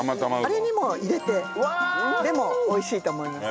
あれにも入れてでも美味しいと思います。